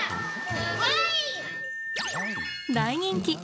大人気！